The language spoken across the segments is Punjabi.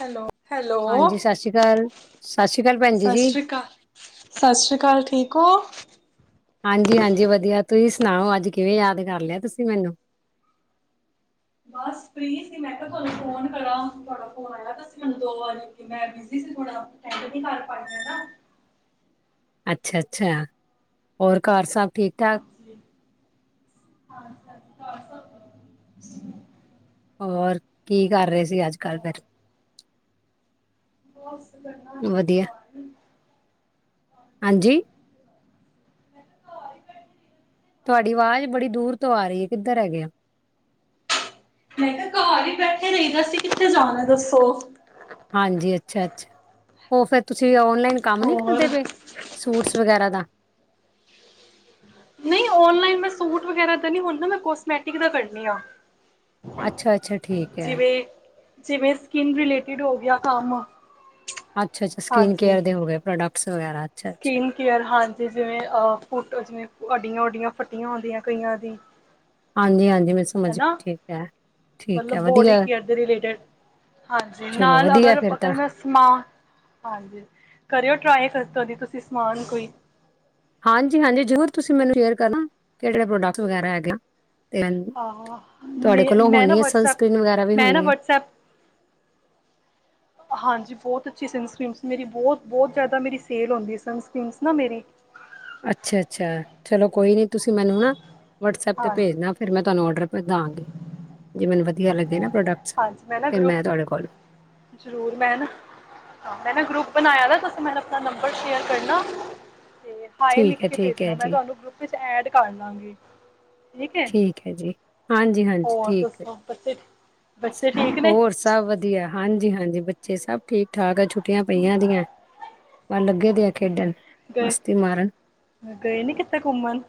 ਹੈਲੋ ਹਾਂਜੀ ਹੈਲੋ ਸਾਸਰੀਕਾਲ ਸਸਰੀ ਕਾਲ ਭੈਣ ਜੀ। ਸਤਿ ਸ਼੍ਰੀ ਅਕਾਲ। ਸਤਿ ਸ਼੍ਰੀ ਅਕਾਲ ਠੀਕ ਹੋ? ਹਾਂਜੀ ਹਾਂਜੀ ਵਧੀਆ ਤੁਸੀਂ- ਸੁਣਾਓ ਅੱਜ ਕਿਵੇਂ ਯਾਦ ਕਰ ਲਿਆ ਤੁਸੀਂ ਮੈਨੂੰ। ਬਸ ਫ੍ਰੀ ਸੀ ਮੈਂ ਕਿਹਾ ਤਾਨੂੰ ਫੋਨ ਕਰਾ। ਤੁਆਡਾ ਫੋਨ ਆਇਆ ਸੀ ਮੈਨੂੰ ਦੋ ਵਾਰੀ ਮੈਂ ਬਿਜੀ ਸੀ ਥੋੜਾ ਅਟੈਂਡ ਨੀ ਕਰ ਪਾਈ ਹੈਨਾ ਅੱਛਾ ਅੱਛਾ। ਹੋਰ ਘਰ ਸਭ ਠੀਕ-ਠਾਕ? ਹਾਂਜੀ -ਹਾਂਜੀ ਹਾਂਜੀ। ਘਰ ਸਬ ਠੀਕ- ਹੋਰ ਕੀ ਕਰ ਰਏ ਸੀ। ਅੱਜ ਕਲ ਹੋਰ ਫੇਰ- ਬਸ ਕਰਨਾ ਘਰ ਵਿ ਜੀ ਤੁਹਾਡੀ ਆਵਾਜ਼ ਬੜੀ ਦੂਰ ਤੋਂ ਆ ਰਈ ਏ। ਕਿੱਧਰ ਐਗੇ ਓ। ਮੈਂ ਤਾਂ ਘਰ ਈ ਬੈਠੇ ਰਈਦਾ। ਅਸੀ ਕਿੱਥੇ ਜਾਣਾ ਦੱਸੋ? ਹਾਂਜੀ ਅੱਛਾ -ਅੱਛਾ। ਹੋਰ ਫੇਰ ਤੁਸੀਂ ਆ ਓਨਲਾਈਨ ਕੰਮ ਨੀ ਹੋਰ ਕਰਦੇ ਪਏ ਸੂਟਸ ਵਗੈਰਾ ਦਾ ਨਹੀਂ ਓਨਲਾਈਨ ਮੈਂ ਸੂਟ ਵਗੈਰਾ ਦਾ ਨਹੀਂ ਹੁਣ ਨਾ ਮੈਂ ਕੋਸਮੈਟਿਕ ਦਾ ਕੱਣੀ ਆ ਅੱਛਾ ਅੱਛਾ ਠੀਕ ਹੈ ਜਿਵੇਂ ਜਿਵੇਂ ਸਕਿੰਨ ਰਿਲੇਟਿਡ ਹੋ ਗਿਆ ਕੰਮ ਅੱਛਾ ਅੱਛਾ ਸਕਿਨ ਹਾਂਜੀ ਕੇਅਰ ਦੇ ਹੋ ਗਏ ਪ੍ਰੋਡਕਟ ਵ ਗੈਰਾ [unintelligible] ਸਕਿਨ ਕੇਅਰ ਹਾਂਜੀ ਜਿਵੇਂ ਅ ਫੁੱਟ ਜਿਵੇਂ ਅੱਡੀਆਂ ਓਡੀਆਂ ਫੱਟੀਆਂ ਹੁੰਦੀਆਂ ਕਈਆਂ ਦੀ ਹਾਂਜੀ ਹਾਂਜੀ ਹੈਨਾ ਮਤਲਬ ਹੈ ਬੋਡੀ ਵਧੀਆ ਕੇਅਰ ਦੇ ਰਿਲੇਟਿਡ ਹਾਂਜੀ ਚਲੋ ਨਾਲ ਵਧੀਆ ਅਗਰ ਫਿਰ ਤਾਂ ਅਗਰ ਮੈਂ ਸਮਾਨ ਹਾਂਜੀ ਕਰਿਓ ਟਰਾਈ ਕਰਤਾ ਦੀ ਤੁਸੀਂ ਸਮਾਨ ਕੋਈ ਹਾਂਜੀ ਹਾਂਜੀ ਜ਼ਰੂਰ ਤੁਸੀਂ ਮੈਨੂੰ ਸ਼ੇਅਰ ਕਰਨਾ ਕਿਹੜੇ ਕਿੜੇ ਪ੍ਰੋਡਕਟ ਵਗੈਰਾ ਹੈਗੇ ਤੇ ਹਾਂ ਤੁਹਾਡੇ ਮੈਂ ਕੋਲੋਂ ਮੈਂ ਨਾ ਹੋਣੀ ਹੈ ਵਟਸਐਪ ਸਨਸ੍ਰਰੀਨ ਵਗੈਰਾ ਵੀ ਮੈਂ ਨਾ ਹੋਣੀ ਹੈ ਵਟਸਐਪ ਹਾਂਜੀ ਬਹੁਤ ਅੱਛੀ ਸਨਸ੍ਰੀਨ ਮੇਰੀ ਬਹੁਤ ਬਹੁਤ ਜ਼ਿਆਦਾ ਮੇਰੀ ਸੇਲ ਹੁੰਦੀਨਸ੍ਰਨ ਨਾ ਮੇਰੀ ਅੱਛਾ ਅੱਛਾ ਚਲੋ ਕੋਈ ਨੀ ਤੁਸੀਂ ਮੈਨੂੰ ਨਾ ਵਟਸਐਪ 'ਤੇ ਹਾਂ ਭੇਜਨਾ ਫਿਰ ਮੈਂ ਤੁਹਾਨੂੰ ਔਡਰ ਦਵਾਂਗੀ ਹਾਂਜੀ ਮੈਂ ਨਾ ਫਿਰ ਗਰੁੱਪ ਤੁਹਾਡੇ ਕੋਲ ਜ਼ਰੂਰ ਮੈਂ ਨਾ ਮੈਂ ਨਾ ਗਰੁੱਪ ਬਣਾਇਆ ਨਾ ਤੁਸੀ ਅਤੇ ਮੈਨ ਆਪਣਾ ਨੰਬਰ ਸ਼ੇਅਰ ਕਰਨਾ ਤੇ ਹਾਏ ਲਿਖ ਠੀਕ ਹੈ ਕੇ ਠੀਕ ਹੈ ਭੇਜਣਾ ਮੈਂ ਜੀ ਤੁਹਾਨੂੰ ਗਰੁੱਪ ਵਿੱਚ ਐਡ ਕਰ ਲੱਗੀ ਠੀਕ ਹੈ ਜੀ ਹਾਂਜੀ ਹਾਂਜੀ ਠੀਕ ਹੈੀ ਇੱਕ ਹੋਰ ਸਭ ਵਧੀਆ ਹਾਂਜੀ ਜ ਹਾਂਜੀ ਬੱਚੇ ਸਭ ਠੀਕ ਠਾਕ ਇਹ ਛੁੱਟੀ ਛੁਟੀਆਂ ਪਈਆਂ ਦੀਆਂ ਪਰ ਲੱਗੇ ਦੇ ਆ ਖੇਡਣ ਗਏ ਮਸਤੀ ਮਾਰਨ ਗਏ ਨੀ ਕਿਤੇ ਘੁੰਮਣ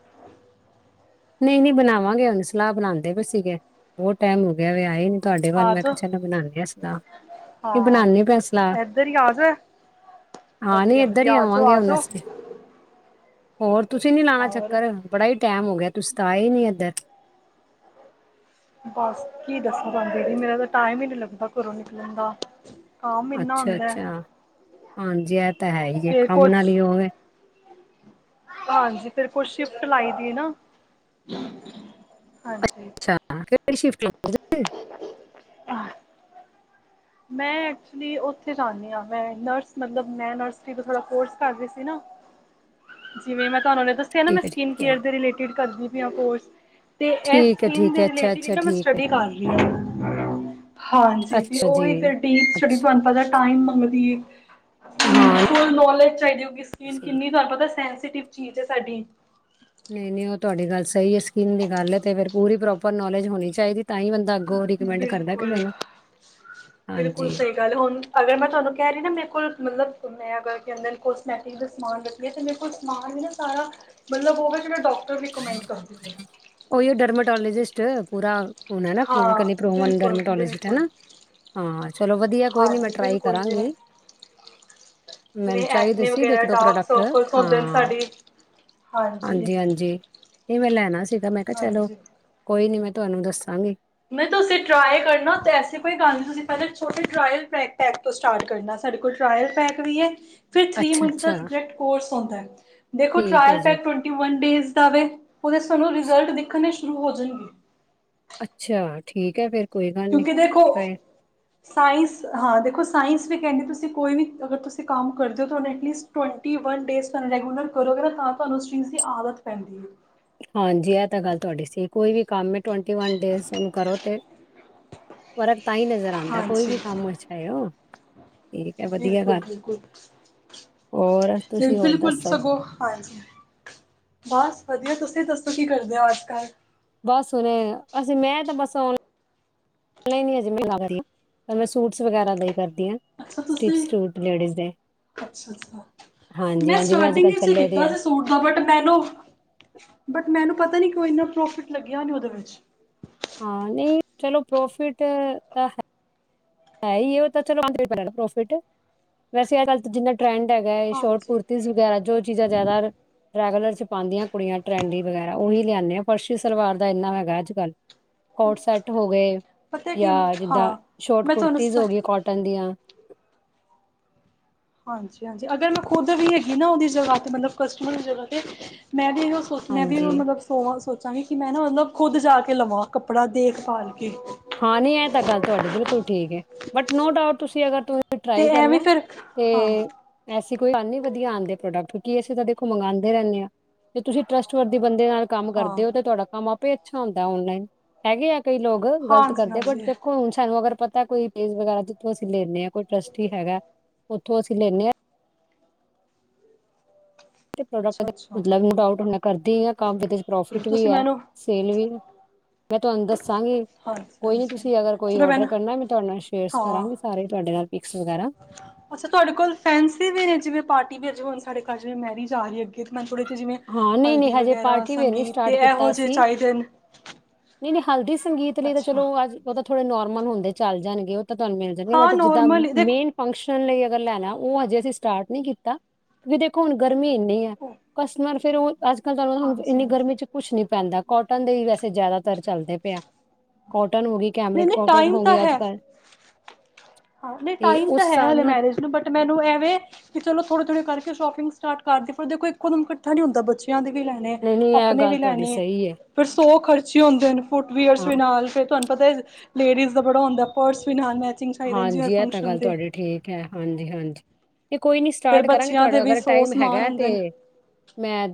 ਨਹੀਂ ਨਹੀਂ ਬਣਾਵਾਂਗੇ ਉਹਨੂੰ ਸਲਾਹ ਬਣਾਉਂਦੇ ਵੀ ਸੀਗੇ ਬਹੁਤ ਟਾਈਮ ਹੋਗ ਗਿਆ ਵ ਆਏ ਨੀ ਤੁਹਾਡੇ ਵੱਲ ਆ ਮੈਂ ਜਾਓ ਕਿਹਾ ਚਲੋ ਬਣਾਦੇ ਹ ਸਲਾਹ ਕੀ ਹਾਂ ਬਣਾਦੀ ਪਿਆ ਸਲਾਹ ਇੱਧਰ ਹੀ ਆ ਜਾਓ ਹਾਂ ਨੀ ਵਧੀਆ ਇੱਧਰ ਹੀ ਵਧੀਆ ਆ ਜਾਓ ਆਵਾਂਗੇ ਆ ਹੁਣ ਜਾਓ ਅਸੀਂ ਹੋਰ ਤੁਸੀਂ ਨੀ ਲਾਣਾ ਔਰ ਚੱਕਰ ਬੜਾ ਹੀ ਟਾਈਮ ਹੋ ਗਿਆ ਤੁਸੀ ਤਾਂ ਆਏ ਨੀ ਇੱਧਰ ਬਸ ਕੀ ਦੱਸਣ ਬਦੀਦੀ ਮੇਰਾ ਤਾਂ ਟਾਈਮ ਹੀ ਨੀ ਲੱਗਦਾ ਘਰੋਂ ਨਿਕਲਣ ਦਾ ਕੰਮ ਇੰਨਾ ਅੱਛਾ ਹੁੰਦਾ ਹੈ ਅੱਛਾ ਹਾਂਜੀ ਇਹ ਤਾਂ ਹੈ ਹੀ ਹੈ ਫਿਰ ਕੰਮ ਕੁਛ ਨਾਲ ਹੀ ਹੋਵੇ ਹਾਂਜੀ ਫੇਿਰ ਕੋਲ ਸ਼ਿਫਟ ਲਾਈ ਦੀ ਨਾ ਹਾਂਜੀ। ਸ਼ਿਫ ਆਹ। ਮੈਂ ਐਕਚੁਲੀ ਉੱਥੇ ਜਾਂਦੀ ਹਾਂ ਮੈਂ ਨਰਸ ਮਤਲਬ ਮੈਂ ਨਰਸਰੀ ਤੋਂ ਥੋੜਾ ਕੋਰਸ ਕਰਦੀ ਸੀ ਨਾ ਜਿਵੇਂ ਮੈਂ ਤੁਹਾਨੂੰ ਦੱਸਿਆ ਨਾ ਮੈਂ ਠੀਕ ਹੈ ਸਕਿਨ ਠੀਕ ਹੈ ਕੇਅਰ ਦੇ ਰਿਲੇਟਿਡ ਕਰਦੀ। ਵੀ ਕੋੋਸ ਤੇ ਠੀਕ ਹੈ ਸਕਨ ਠੀਕ ਦੇ ਹੈ ਅੱਛਾ ਰਿਲੇਟਿ ਅੱਛਾ ਮੈਂ ਠੀਕ ਹੈ ਸਟੱਡੀ ਕਰ ਰ ਹਾਂ ਹਾਂਜੀ ਅੱਛਾ ਜੀ ਉਹੀ-' ਫਿਰਟੀਛੀ ਅੱਛਾ ਤੁਹਾਨੂੰ ਪਤਾ ਟਾਈਮ ਮੰਗਦੀ। ਹਾਂ ਫੁਲ ਨੋਲੇਜ ਚਾਹੀਦੀ ਹੋ ਸਕੀਨ ਸਹੀ। ਕਿੰਨੀ ਤੁਹਾਨੂੰ ਪਤਾ ਸ ਿ ਚੀਜ਼ ਹੈ ਸਾਡੀ ਨਹੀਂ ਨਹੀਂ ਉਹ ਤੁਹਾਡੀ ਗੱਲ ਸਹੀ ਹੈ ਸਕੀਮ ਦੀ ਗੱਲ ਤੇ ਫ ਪੂਰੀ ਪ੍ਰੋਪਰ ਨੋਲੇਜ ਹੋਣੀ ਚਾਹੀਦੀ। ਤਾਂ ਹੀ ਬੰਦਾ ਅੱਗੋਂ ਰਿਕਮੈਂਡ ਕਰਦਾ ਕਿਸੇ ਬਿਲਕੁਲ ਨੂੰ ਬਿਲਕੁਲ ਹਾਂਜੀ, ਸਹੀ ਗੱਲ ਹੁਣ ਅਗਰ ਮੈਂ ਤੁਹਾਨੂੰ ਕਹਿ ਰਹੀ ਨਾ ਮੇਰੇ ਕੋਲ ਮਤਲਬ ਮੈਂ ਬ ਬ ਬ ਬ ਬ। ਓ ਡਰਮਾਟੋਲੋਜਿਸਟ। ਪੂਰਾ। ਹੁਣ ਹੈ ਨਾ ਹਾਂ ਕਲੀਨਿਕਲੀ ਪ੍ਰੋਵਨ ਬਿਲਕੁਲ ਡਰਮਟੋਲੋਜਟ ਹੈ ਬਿਲਕੁਲ ਨਾ ਹਾਂ ਚਲੋ ਵਧੀਆ ਕੋਈ ਨਹੀਂ ਮੈਂ ਹਾਂਜੀ ਟਰਾਈ ਬਿਲਕੁਲ ਜਿਵੇਂ ਕਰਾਂਗੀ ਮੈਨੂੰ ਜਿਵੇਂ ਚਾਹੀਦੇ ਐਕਨੇ ਸੀ ਵਗੈਰਾ ਦੇਖ ਦਿਉ ਡਾਰਕ ਪ੍ਰੋਡਕਟ ਸਰਕਲਸ ਹੁੰਦੇ ਨੇ ਹਾਂ ਸਾਡੀ ਹਾਂਜੀ ਹਾਂਜੀ। ਇਹਵੇੈਂ ਲੈਣਾ ਸੀਗਾ ਮੈਂ ਕਿਹਾ ਚਲੋ ਹਾਂਜੀ ਕੋਈ ਨੀ ਮੈਂ ਤੁਹਾਨੂੰ ਦੱਸਾਂਗੀ। ਮ ਤੁਸੀਂ ਟਰਾਲ ਕਰਨਾ ਐਸ ਕੋਈ ਗੱਲ ਨਹੀਂ ਤੁਸੀਂ ਪਹਿ ਛੋਟੇ ਟਲ ਪੈਕ ਤੋਂ ਸਟਾਰਟ ਕਰਨਾ ਸਾਡੇ ਕੋਲ ਟਰਾਇਲ ਪੈਕ ਵੀ ਹੈ। ਫਿਰ ਥ੍ਰਰੀ ਮੰਥ ਦਾ ਅੱਛਾ-ਅੱਛਾ, ਸਬਜੈਕਟ ਕੋਰਸ ਆਉਂਦਾ ਹੈ। ਹ। ਦੇਖੋ ਠੀਕ ਹੈ ਟਰਾਾਇਲ ਜੀ। ਪੈਕ ਟਵੈਂਟੀ ਵਨ ਡੇਜ਼ ਜਾਵੇ। ਉਹਦੇ ਸਾਨੂੰ ਰਿਜ਼ਲਟ ਦੇਖਣ ਸ਼ੁਰੂ ਹੋ ਜਾਣਗੇ। ਅੱਛਾ ਠੀਕ ਹੈ ਫੇਰ ਕੋਈ ਗੱਲ ਨੀ। ਕਿਉਂਕਿ ਦੇਖੋ ਸਾਇੰਸ ਹਾਂ ਦੇਖੋ ਸਾਇੰਸ ਵਿੱਚ ਪੈਂਣਜੀ ਤੁਸੀ ਕੋਈ ਵੀ ਅਗਰ ਤੁਸੀਂ‌ ਕਮ‌ ਕਰਦੇ ਹੋ ਤੁਹਾਨੂੰ ਅਟਲੀਸਟ ਟਵਨਟੀ ਵਨ ਡੇਸ ਤਹਾਨੂੰ ਰੈਗੂਲਰ ਕਰਦੇ ਹੋ ਤਾਂ ਤੁਹਾਨੂੰ ਉਸ ਸਟਰੀਮ‌ ਦੀ ਆਦਤ ਪੈਦੀ ਹੈ-ਠੀਕ ਏ। ਹਾਂਜੀ, ਇਹ ਤਾਂ ਗੱਲ ਤੁਹਾਡੀ ਸਹੀ ਕੋਈ ਵੀ ਕੰਮ ਏ। ਟਵੰਟੀ ਵਨ ਡੇਜ਼ਨ ਕਰੋ ਤੇ ਫਰਕ ਤਾਂ ਹੀ ਨਜ਼ਰ ਆਂਦਾ ਕੋਈ ਵੀ ਕੰਮ ਅੱਛਾ ਹੈ ਉਹ ਠੀਕ ਹੈ ਵਧੀਆ ਗੱਲ ਹੋਰ ਤੁਸੀਂ ਹੋਰ ਬਿਲਕੁਲ-ਬਿਲਕੁਲ-ਬਿਲਕੁਲ ਦੱਸੋ? ਸਗੋਂ ਹਾਂਜੀ ਬਸ ਵਧੀਆ ਤੁਸੀਂ ਦੱਸੋ? ਤੁਸੀਂ ਕੀ ਕਰਦੇ ਹੋ ਅੱਜ ਕੱਲ? ਬਸ ਹੁਨ ਅਸੀਂ ਮੈਂ ਤਾਂ ਬਸ ਅਜੇ ਮੈਂ ਸੂਟਸ ਵਗੈਰਾ ਦੇਈ ਕਰਦੀ ਹਾਂ- ਅੱਛਾ ਸਟਿਚ ਤੁਸੀਂ ਸੂਟ ਲੇਡੀਜ਼ ਦੇ ਅੱਛਾ-ਅੱਛਾ ਹਾਂਜੀ ਮੈਂ ਹਾਂਜੀ ਜਿਵੇਂ ਅੱਜ ਸਟਾਰਟਿੰਗ ਕੱਲ ਵਿੱਚ ਚੱਲੇ ਦੇ ਕੀਤਾ ਆ ਸੀ ਸੂਟ ਦਾ ਬਟ ਮੈਨੂੰ ਬਟ ਮੈਨੂੰ ਪਤਾ ਪਤਾ ਨੀ ਕੋਈ ਇੰਨਾ ਪ੍ਰੋਫਿਟ ਲੱਗਿਆ ਨ ਉਹਦੇ ਵਿੱਚ ਹਾਂ ਨਹੀਂ ਚਲੋ ਪ੍ਰੋਫਿਟ ਤਾਂ ਹੈ ਹੈ ਹੀ ਉਹ ਤਾਂ ਚਲਂ ਪ ਪ੍ਰੋਫਿਟ ਵੈਸੇ ਅੱਜ ਕੱਲ ਜਿੰਨਾ ਟਰੈਂਡ ਹੈਗਾ ਸ਼ੋਰਟ ਹਾਂਜੀ ਕੁੁਰਤੀ ਵਗੈਰਾ ਜੋ ਚੀਜ਼ਾਂ ਜ਼ਿਆਦਾ ਰੇਗੂਲਰ ਚ ਪਾਉਂਦੀਆਂ ਕੁੜੀਆਂ ਟਰੈਂਡ ਵਗੈਰਾ ਉਹੀ ਲਿਆਂਦੇ ਫਰਸ਼ੀ ਸਲਵਾਰ ਦਾ ਇੰਨਾ ਹੈਗਾ ਅੱਜ ਕੱਲ੍ਹ ਕੋਟ ਸੈਟ ਹੋ ਗਏ ਪਤਾ ਕੀ ਜਾਂ ਜਿੱਦਾਂ ਹਾਂ ਸ਼ੋਟ ਮੈਂ ਕੁਰਤਾ ਤੁਹਾਨੂੰ ਜ਼ ਸ ਹੋ ਗਈ ਕੋਟਨ ਦੀਆਂ ਹਾਂਜੀ-ਹਾਂਜੀ ਅਗਰ ਮੈਂ ਖੁਦ ਵੀ ਹੈਗੀ ਨਾ ਉਹਦੀ ਜਗ੍ਹਾ ਤੇ ਮਤਲਬ ਕਸਟਮਰ ਦੀ ਜਗਾ੍ ਤੇ ਮੈਂ ਵੀ ਇਹ ਸੋਚ ਮੈਂ ਵੀ ਹਾਂਜੀ ਮਤਲਬ ਸੋਚ- ਸੋਚਾਂਗੀ ਕਿ ਮੈਂ ਨਾ ਮਤਲਬ ਖੁਦ ਜਾ ਕੇ ਲਵਾਂ ਕੱਪੜਾ ਦੇਖਭਾਲ ਹਾਂ ਨੀ ਇਹ ਤਾਂ ਗੱਲ ਤੁਹਾਡੀ ਬਿਲਕੁਲ ਠੀਕ ਏ। ਬਟ ਨੋ ਡਾਊਟ ਤੁਸੀਂ ਅਗਰ ਤੁ ਫ ਤੇ ਟਰਾਈ ਐਵੇਂ ਕਰਨਾ ਫਿਰ ਹਾਂ ਤੇ ਕੋਈ ਵਧੀਆ ਆਉਂਦੇ ਪ੍ਰੋਡਕਟ ਕੀ ਅਸੀਂ ਤਾਂ ਦੇਖੋ ਮੰਗਾਦੇ ਰਹਿੰਦੇ ਹਾਂ ਜੇ ਤੁਸੀਂ ਟਰੱਸਟ ਵਰਦੀ ਬੰਦੇ ਨਾਲ ਕੰਮ ਹਾਂ ਕਰਦੇ ਹੋ ਤੇ ਤੁਹਾਡਾ ਕੰਮ ਆਪ ਵੇ ਅੱਛਾ ਹੁੰਦਾ ਓਨਲਾਈਨ ਹੈਗੇ ਆ ਕਈ ਲੋਕ ਗਲਤ ਹਾਂਜੀ ਹਾਂਜੀ ਕੲਈਦੇਖੋ ਹੁਣ ਸ਼ਹੀਦ ਅਗਰ ਪਤਾ ਕੋਈ ਫੇਸ ਵਗੈਰਾ ਜਿੱਥੋਂ ਅਸੀਂ ਲੈਂਦੇ ਹਾਂ ਕੋਈ ਟਰੱਸਟੀ ਹੈਗਾ ਉੱਥੋਂ ਅਸੀਂ ਲੈਂਦੇ ਹਾਂ। ਅੱਛਾ ਪ੍ਰੋਡਕਟ ਅੱਛਾ ਮਤਲਬ ਡਾਉਟ ਹੁਣ ਕਰਦੀ ਆ ਕੰਮ ਜਿਹਦੇ ਚ ਚਲੋ ਪ੍ਰੋਫਿਟ ਵੀ ਤੁਸੀਂ ਹੈ ਮੈਨੂੰ ਸੇਲ ਵੀ ਮੈਂ ਤੁਹਾਨੂੰ ਦੱਸਾਂਗੀ ਹਾਂਜੀ ਕੋਈ ਨੀ ਹਾਂਜੀ ਤੁਸੀਂ ਅਗਰ ਕੋਈ ਚਲੋ ਭੈਣ ਔਡਰ ਕਰਨਾ ਮੈਂ ਤੁਹਾਡੇ ਨਾਲ ਸ਼ੇਅਰਸ ਹਾਂ ਕਰਾਂਗੀ ਸਾਰੇ ਤੁਹਾਡੇ ਨਾਲ ਪੀ ਅੱਛਾ ਤੁਹਾਡੇ ਕੋਲ ਫੈਂਸੀ ਵੀ ਨੇ ਜਿਵੇਂ ਪਾਰਟੀ ਵੀ ਅਜ ਹੁਣ ਸਾਡੇ ਮੈਰਿ ਆਹੀ ਅੱਗੇ ਤੇ ਮੈਂ ਥੋੜੇ ਜਿਵੇਂ ਹਾਂ ਨਹੀਂ ਨਹੀਂ ਹਲਦੀ ਹਜੇ ਵਗੈਰਾ ਪਾਰਟੀ ਵੇਅਰ ਨੀ ਸੰਗੀਤ ਤੇ ਸਟਾਰਟ ਇਹੋ ਕੀਤਾ ਜਿਹੇ ਸੀ ਚਾਹੀਦੇ ਨੇ ਨਹੀਂ ਨਹੀਂ ਹਲਦੀ ਸੰਗੀਤ ਲਈ ਤਾਂ ਅੱਛਾ ਚਲੋ ਅੱਜ ਉਹ ਤਾਂ ਥੋੜੇ ਨੋਰਮਲ ਹੁੰਦੇ ਚੱਲ ਜਾਣਗੇ ਉਹ ਤਾਂ ਤੁਹਾਨੂੰ ਮਿਲ ਜਾਂਗੇ ਹਾਂ ਬਟ ਜਿੱਦਾਂ ਨੋਰਮਲ ਮੇਨ ਦੇਖੋ ਫੰਕਸ਼ਨ ਲਈ ਅਗਰ ਲੈ ਲੈ ਉਹ ਹਜੇ ਅਸੀਂ ਸਟਾਰਟ ਨਹੀਂ ਕੀਤਾ ਕਿਉਂਕਿ ਦੇਖੋ ਹੁਣ ਗੱਲ ਰ ਮਹੀਨੇ ਆ ਫਿਰ ਓ ਅੱਜ ਕੱਲ ਤੁਹ ਹਾਂਜੀ ਇੰਨੀ ਹਾਂਜੀ ਗਰਮੀ ਚ ਕੁੱਛ ਨੀ ਪੈਂਦਾ ਕੋਟਨ ਦੇ ਹੀ। ਵੈਸੇ ਜ਼ਿਆਦਾਤਰ ਚੱਲਦੇ ਪਿਆ ਕੋਟ ਨਹੀਂ -ਨਹੀਂ ਟਾਈਮ ਤਾਂ ਹੈ। ਹਾਂ ਨਹੀਂ ਤੇ ਟਾਈਮ ਤਾਂ ਉਸ ਹੈ। ਹਿਸਾਬ ਹਲੇ ਨਾਲ ਮੈਰਿਜ ਨੂੰ ਬਟ ਮੈਨੂੰ ਐਵੇਂ ਕਿੇੋ ਥੋੜੇ- ਥੋੜ੍ਹੇ ਕਰਕੇ ਸ਼ੋਪਿੰਗਟਾਰਟ ਕਰਦੇ ਫ ਉਹਦੇ ਕੋਲ ਇੱਕੋਦਮ ਇਕੱਠਾ ਨੀ ਹੁੰਦਾ ਬੱਚਿਆਂ ਦੇ ਵੀ ਲੈਣੇ ਨਹੀਂ ਨਹੀਂ ਇਹ ਆਪਣੇ ਗੱਲ ਵੀ ਤੁਹਾਡੀ ਲੈਣੇ ਸਹੀ ਹੈ ਫਿਰ ਸੌ ਖਰਚ ਅਛੇ ਹੁੰਦੇ ਨੇ ਫੁੱਟਵੀਅਰਸ ਹਾਂ ਵੀ ਨਾਲ ਤੇ ਤੁਹਾਨੂੰਤਾ ਲੇਡੀਜ਼ ਦਾ ਬੜਾ ਹੁੰਦਾ ਪਰਸ ਵੀ ਨਾ ਮੈਂ ਹਾਂਜੀ ਇਹ ਤਾਂ ਗੱਲ ਤੁਹਾਡੀ ਠੀਕ ਹੈ। ਹਾਂਜੀ- ਹਾਂਜੀ ਇਹ ਕੋਈ ਨੀ ਫਿਰ ਸਟਾਰਟ ਕਰਾਂਗੇ ਬੱਚਿਆਂ ਦੇ ਤੁਹਾਡਾ ਵੀ ਅਗਰ ਸੌ ਟਾਈਮ ਸਮਾਨ ਹੈਗਾ ਤੇ ਹੁੰਦੇ ਨੇ ਮੈਂ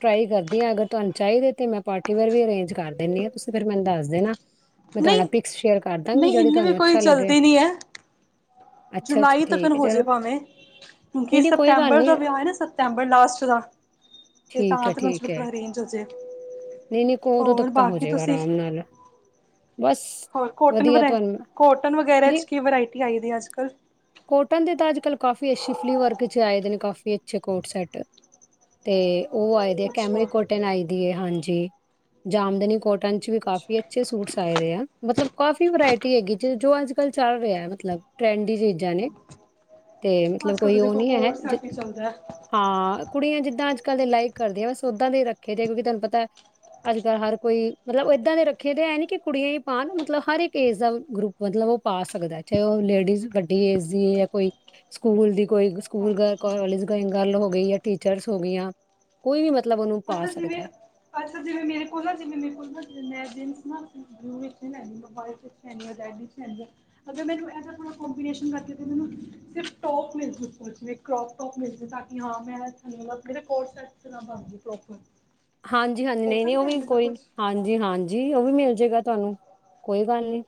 ਟਰਾਈ ਕਰਦਾ ਅਗਰ ਤੁਹਾਨੂੰ ਚਾਹੀਦੇ ਤੇ ਮੈਂ ਪਾਰਟੀ ਵੇਅਰ ਵੀ ਅਰੇਂਜ ਕਰ ਦਿੰਦੀ ਹਾਂ ਤੁਸੀਂ ਫੇਰ ਮੈਨੂੰ ਦੱਸ ਦੇਣਾ। ਮੈਂ ਤੁਹਾਡਾ ਨਹੀਂ ਪਿਕਸ ਸ਼ੇਅਰ ਕਰ ਦਾਂਗੀ ਨਹੀਂ ਜਿਹੜੀ ਇੰਨੀ ਵੀ ਤੁਹਾਨੂੰ ਕੋਈ ਅੱਛਾ ਲੱਗੇ ਜਲਦੀ ਨਹੀਂ ਹੈ ਅੱਛਾ-ਅੱਛਾ ਜੁਲਾਈ ਤੱਕ ਠੀਕ ਨੂੰ ਹੈ ਚਲੋ ਹੋਜੇ ਭਾਵੇਂ ਕਿਉਂਕਿ ਨਹੀਂ-ਨਹੀਂ ਕੋਈ ਗੱਲ ਸਪਤੰਬਰ ਦਾ ਨਹੀਂ ਵਿਆਹ ਹੈ। ਨਾ ਸਪਤੰਬਰ ਲਾਸਟ ਦਾ ਤੇ ਠੀਕ ਤਾਂ ਹੈ ਤ ਠੀਕ ਹੈ ਮੈਨੂੰ ਅਰੇਂਜ ਹੋ ਜ ਜਾ ਜਾਇ ਨਹੀਂ-ਨਹੀਂ ਉਦੋਂ ਹੋਰ ਤੱਕ ਤਾਂ ਹੋ ਬਾਕੀ ਜਾਏਗਾ ਤੁਸੀਂ ਆਰਾਮ ਨਾਲ ਬਸ ਹੋਰ ਵਧੀਆ ਤੁਹਾਨੂੰ ਕੋਟਨ ਵਗੈਰਾ ਨਹੀਂ 'ਚ ਕੀ ਵਰਾਇਟੀ ਆਈ ਦੀ ਅੱਜ ਕੱਲ [unintelligible] ਕੋਟਨ ਦੇ ਤਾਂ ਅੱਜ ਕੱਲ੍ਹ ਕਾਫੀ ਅੱਛੇ ਫਲੀਵਰਕ ' ਆਏ ਦੇ ਨੇ ਕਾਫੀ ਅੱਛੇ ਕੋਟ ਸੈਟ ਤੇ ਉਹ ਆਏ ਦੀ ਹੈ। ਅੱਛਾ ਕੈਮਰੀ ਕੋਟਨ ਆਈ ਦੀ ਏ ਹਾਂਜੀ। ਤੇ ਜਾਮਦਨੀ ਕੋਟ ਕਾਫੀ ਅੱਛਾ ਅੱਛੇ ਸੂਟਸ ਆਏ ਰਹੇ ਆ ਮਤਲਬ ਕਾਫੀ ਵਰਾਇਟੀ ਹੈਗੀ ਜ ਜੋ ਅੱਜ ਕੱਲ ਚੱਲ ਰਿਹਾ ਹੈ। ਮਤਲਬ ਟਰੈਂਡ ਜ ਤੇ ਮਤਲਬ ਅੱਜ ਕੱਲ੍ਹ ਕੋਈ ਤਾਂ ਉਹ ਦੇਖੋ ਨੀ ਹੈ। ਕੋਟ ਸੈਟ ਹੀ ਚੱਲਦਾ ਹਾਂ ਕੁੜੀਆਂ ਜਿੱਦਾਂ ਅੱਜ ਕੱਲ ਦੇ ਲਾਈਕ ਕਰਦੇ ਆ ਬਸ ਉਦਾਂ ਦੇ ਹੀ ਰੱਖੇ ਦੇ ਆ ਕਿਉਂਕਿ ਤੁਹਾਨੂੰ ਪਤਾ ਅੱਜ ਕੱਲ੍ਹ ਹਰ ਕੋਈ ਮਤਲਬ ਏਦਾਂ ਦੇ ਰੱਖੇ ਦੇ ਹੈ ਨੀ ਕਿ ਕੁੜੀਆਂ ਹੀ ਪਾਉਣ ਮਤਲਬ ਹਰ ਇੱਕ ਏਜ ਦਾ ਗਰੁੱਪ ਮਤਲਬ ਉਹ ਪਾ ਸਕਦਾ ਚਾਹੇ ਉਹ ਲੇਡੀਜ਼ ਵੱ ਡੀ ਦੀ ਕੋਈ ਸਕੂਲ ਦੀ ਕੋਈ ਸਕੂਲ ਹਾਂਜੀ ਕੋਾਲਜ ਹਾਂਜੀ ਗਰਲ ਹੋ ਗਈ ਟੀਚਰਸ ਹੋ ਗਈਆਂ ਕੋਈ ਵੀ ਮਤਲਬ ਨੂੰ ਪਾ ਅੱਛਾ ਜਿਵੇਂ ਸਕਦਾ ਅੱਛਾ [unintelligible] ਹਾਂਜੀ -ਹਾਂਜੀ ਹੋ ਨਹੀਂ- ਨਹੀਂ ਉਹ ਸਕਦਾ ਵੀ ਐਵੇਂ ਦਾ ਕੋਈ ਕੁਛ ਹਾਂਜੀ -ਹਾਂਜੀ ਉਹ ਵੀ ਮਿਲ ਜੇਗਾ ਤੁਹਾਨੂੰ ਕੋਈ ਗੱਲ ਨੀ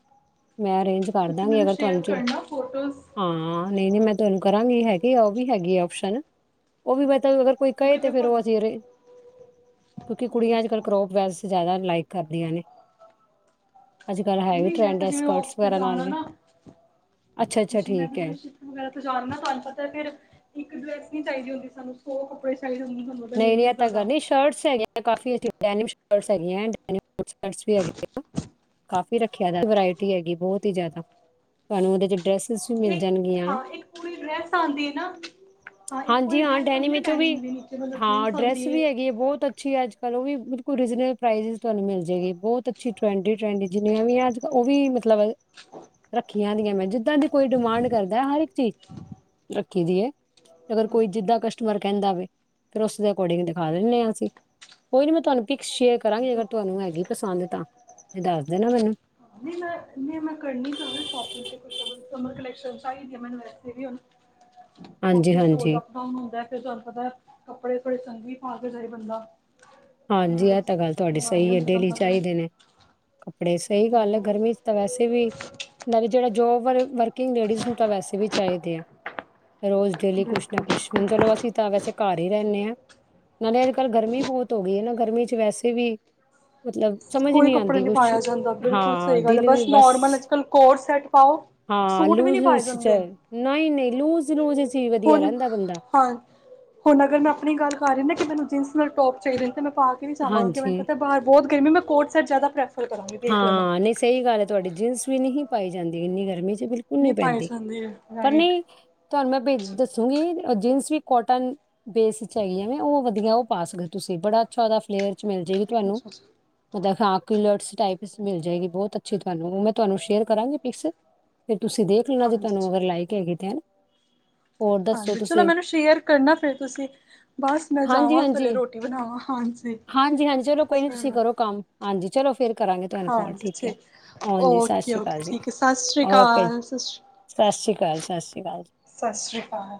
ਮੈਂ ਅਰੇਂਜ ਕਰ ਤੁਸੀਂ ਦਾਂਗੀ ਮੈਨੂੰ ਅਗਰ ਤੁਹਾਨੂੰ ਸ਼ੇਅਰ 'ਚ ਕਰਨਾ ਫੋਟੋਜ਼ ਹਾਂ ਨਹੀਂ -ਨਹੀਂ ਹਾਂ ਮੈਂ ਤੁਹਾਨੂੰ ਕਰਾਂਗੀ ਹੈਗੀ। ਉਹ ਵੀ ਹੈਗੀ ਆ ਆਪਓਸ਼ਨ ਉਹ ਵੀ ਬ ਅਗਰ ਕੋਈ ਕਹੇ ਕਿਉਂਕਿ ਤੇ ਫੇਰ ਦੇਖੋ ਉਹ ਅਸੀਂ ਰਹੇ ਕਿਉਂਕਿ ਅੱਛਾ ਕੁੜੀਆਂ ਅੱਜ ਕੱਲ੍ਹ ਅੱਛਾ ਕਰੋਪ ਵੈਲ ਜ਼ਿਆਦਾ ਲਾਈਕ ਕਰਦੀਆਂ ਨੇ ਅੱਜ-ਕੱਲ ਹੈ ਵੀ ਨਹੀਂ ਮੈਂ ਟਰੈਂਡ ਤਾਂ ਹੈ ਜਿਵੇਂ ਸਕਰਟਸ ਉੱਥੇ ਵਗੈਰਾ ਨਾਲ ਜਾਣਾ ਵੀ ਨਾ ਅੱਛਾ-ਅੱਛਾ ਜ ਮੈਂ ਤਾਂ ਠੀਕ ਹੈ ਜਿਵੇ ਵਗੈਰਾ ਤੇ ਜਾ ਨਾ ਤੁਹਾਨੂੰ ਪਤਾ ਫੇਿਰ ਇੱਕ ਡਰੈਸ ਨੀ ਚਾਹੀਦੀ ਹੁੰਦੀ ਸਾਨੂੰ [inaudible] ਤੁਹਾਨੂੰ ਪਤਾ ਨਹੀਂ ਨਹੀਂ ਇਹ ਲੇਡੀਜ਼ ਤਾਂ ਦਾ ਗੱਲ ਨਹੀਂ ਸ਼ਰਟਸ ਹੈਗੀਆਂ ਕਾਫੀ ਅ ਡ [unintelligible] [inaudible] ਕਾਫੀ ਰੱਖਿਆ ਦਾ ਵਰਾਇਟੀ ਹੈਗੀ ਬਹੁਤ ਹੀ ਜਿਆਦਾ ਤੁਹਾਨੂੰ ਉਹਦੇ ਚ ਡਰੈਸ ਇੱਕ ਹਾਂ ਇੱਕ ਪੂਰੀ ਡਰੈਸ ਆਉਂਦੀ ਨਾ ਹਾਂ ਇੱਕ ਹਾਂਜੀ ਪੂਰੀ ਹਾਂ ਡਰੈਸ ਆ ਡੈਨੀਮ ਨਾ ਵਿੱਚੋਂ ਵੀ ਪੈਲੀ ਹਦੇ ਨੇ ਹਾਂ ਡਰੈਸ ਵੀ ਹੈਗੀ ਹੈ ਬਹੁਤ ਅੱਛੀ ਹੈ ਅੱਜ ਕੱਲ ਰਨਲ ਤੁਹਾਨੂੰ ਮਿਲ ਜਾਗੀ ਬਹੁਤ ਅਛ ਟ ਜਿੰਨੀਆਂ ਵੀ ਉਹ ਵੀ ਮਤਲਬ ਰੱਖੀਆਂ ਮੈਂ ਜਿਦਾਂ ਦੀ ਕੋਈ ਡਿਮਾਂਡ ਕਰਦਾ ਹਰ ਚੀਜ਼ ਰੱਖੀ ਦੀ ਆ ਅਗਰ ਕੋਈ ਜਿੱਦਾਂ ਕਸਟਮਰ [unintelligible] ਫਿਰ ਉਸਦੇ ਅਕੋਰਡਿੰਗ ਦਿਖਾ ਦੇਿੰਦੇ ਹਸੀ ਕੋਈ ਨੀ ਮੈਂ ਤੁਹਾਨੂੰ ਪਿਕਸ ਸ਼ੇਅਰ ਕਰਾਂਗੀ ਅੇਗਰ ਤੁਹਾਨੂੰ ਹੈਗੀ ਪਸੰਦ ਤਾਂ ਇਹ ਦੱਸ ਦੇਣਾ ਮੈਨੂੰ ਨਹੀਂ ਮੈਂ ਨਹੀਂ ਕਰਨੀ ਸ਼ੋਪਿੰਗ ਚ ਕੁਛ ਕਲੈਕਸ਼ਨ ਮੈਨੂੰ ਵੈਸੇ ਵੀੁ ਹਾਂਜੀ ਫਿਸ ਰੋਜ਼ ਹਾਂਜੀ ਅਪ ਡਾਊਨ ਹੁੰਦਾ ਫ ਤੁਾਨੂੰ ਪਤਾ ਕੱਪੜੇ ਬੜੇ ਸੰ ਵੀ ਪਾ ਕੇ ਸਾਰੇ ਬੰਦਾ ਹਾਂਜੀ ਇਮੇਜ ਇਹ ਤਾਂ ਗੱਲ ਤੁਹਾਡੀ ਬਣਾਉਣੀ ਸਹੀ ਹੈ ਹੁੰਦੀ ਡੇਲੀ ਤੁਹਾਨੂੰ ਪਤਾ ਚਾਹੀਦੇ ਨੇ ਕੱਪੜੇ ਸਹੀ ਗੱਲ ਹੈ ਗਰਮੀ ਚ ਤਾਂ ਵੈਸੇ ਵੀ ਵੀ ਜਿਹੜਾ ਜੋ ਰ ਵਰਕ ਗ ਲੇਡੀਜ਼ ਨੂੰ ਤਾਂ ਵੈਸੇ ਵੀ ਚਾਹੀਦੇ ਆ ਰੋਜ਼ ਡੇਲੀ ਕੁਛ ਨਾ ਕੁਛ ਹੁਣ ਚਲੋ ਅਸੀਂ ਤਾਂ ਵੈਸੇ ਘਰ ਹੀ ਰਹਿੰਦੇ ਹਾਂ ਨਾਲੇ ਅੱਜ ਕੱਲ੍ਹ ਗਰਮੀ ਬਹੁਤ ਹੋ ਗਈ ਹੈ ਨਾ ਗਰਮੀ ਚ ਵੈਸੇ ਵੀ ਮਤਲਬ ਸਮਝ ਕੋਈ ਨਹੀਂ ਕੱਪੜੇ ਆਉਂਦੀ ਨਹੀਂੀ ਕੁਛ ਪਾਇਆ ਜਾਂਦਾ ਬਿਲਕੁਲ ਹਾਂ ਸਹੀ ਗੱਲ ਹੈ ਦਿਲ ਵੀ ਬਸ ਨੋਰਮਲ ਅੱਜ ਕੱਲ੍ਹ ਕੋਰ ਸੈਟ ਪਾਓ ਹਾਂ ਸੂਟ ਵੀ ਲੂਜ਼ ਨਹੀਂ ਪਾਏ ਲੂਸ ਚ ਜਾਂਦੇ ਨਹੀਂ ਨਹੀਂ ਲੂਜ ਲੂਜ ਚ ਵਧੀਆ ਹੁਣ ਰਹਿੰਦਾ ਬੰਦਾ ਹਾਂ ਹੁਣ ਅਗਰ ਮੈਂ ਆਪਣੀ ਗੱਲ ਕਰ ਰਹੇ ਨਾ ਕਿ ਮੈਨੂੰ ਜੀਸ ਨਾਲ ਟੋਪ ਚਾਹੀਦੇ ਨੇ ਤੇ ਮੈਂ ਪਾ ਕੇ ਵੀ ਜਾਵਾਂਗੇ ਮੈਨੂੰ ਹਾਂਜੀ ਪਤਾ ਬਾਹਰ ਬਹੁਤ ਗਰਮੀ ਮੈਂ [unintelligible] ਪ੍ਰੈਫਰ ਕਰਾਂਗੀ ਦੇਖ ਲੈਣਾ ਹਾਂ ਨਹੀਂ ਸਹੀ ਗੱਲ ਹੈ ਤੁਹਾਡੀ ਜੀਨਸ ਵੀ ਨਹੀਂ ਪਾਈ ਜਾਂਦੀ ਇੰਨੀ ਗਰਮੀ ਚ ਬਿਲਕੁਲ ਨੀ ਨਹੀਂ ਪਾਏ ਪੈਂਦੀ ਜਾਂਦੇ ਪਰ ਰਾਈਟ ਨਹੀਂ ਤੁਹਾਨੂੰ ਮੈਂ ਬ ਦੱਸੂਗੀ ਜੀਨਸ ਵੀ ਕੋਟਨ ਬੇਸ ਚ ਆਈਆ ਨੇ ਉਹ ਵਧੀਆ ਉਹ ਪਾ ਸਕਦਾ ਤੁਸੀਂ ਬੜਾ ਅੱਛਾ ਉਹਦਾ ਫਲੇਅਰ ਮਿਲ ਜਾਏਗੀ ਤੁਹਾਨੂੰ ਅੱਛਾ ਅੱਛਾ [unintelligible] ਮਿਲ ਜਾਏਗੀ ਬਹੁਤ ਅੱਛੀ ਤੁਹਾਨੂੰ ਮੈਂ ਤੁਹਾਨੂੰ ਸ਼ੇਅਰ ਕਰਾਂਗੀ ਪਿਕਸ ਤੁਸੀਂ ਦੇਖ ਲੈਣਾ ਜੇ ਹਾਂਜੀ ਤੁਹਾਨੂੰ ਅਗਰ ਲਾਈਕ ਹੈਗੇ ਤੇ ਹੋਰ ਦੱਸੋ ਹਾਂਜੀ, ਚਲੋ। ਤੁਸੀਂ ਮੈਨੂੰ ਸ਼ੇਅਰ ਕਰਨਾ, ਫਿਰ ਤੁਸੀਂ। ਬਸ ਮੈਂ ਹਾਂਜੀ ਜਾਵਾਂ ਹਾਂਜੀ ਥੱਲੇ, ਰੋਟੀ ਬਣਾਵਾਂ। ਹਾਂਜੀ, ਹਾਂਜੀ ਹਾਂਜੀ ਕੋਈ ਨੀ ਤੁਸੀਂ ਚਲੋ। ਕਰੋ ਕੰਮ ਹਾਂਜੀ ਚਲੋ ਫਿਰ ਕਰਾਂਗੇ ਤੁਹਾਨੂੰ ਕੋਲ ਹਾਂਜੀ ਹੈ ਠੀਕ ਹਾਂਜੀ ਸਤਿ ਓਕੇ ਸ਼੍ਰੀ ਅਕਾਲ ਓਕੇ ਜੀ ਠੀਕ ਹੈ। ਸਤਿ ਸ੍ਰੀ ਅਕਾਲ। ਸਤ ਸ਼੍ਰੀ ਅਕਾਲ ਜੀ। ਸਤਿ ਸ਼੍ਰੀ ਅਕਾਲ।